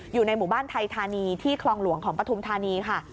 อยู่ในหมู่บ้านไทยธานีที่คลองหลวงของปฐุมธานีค่ะ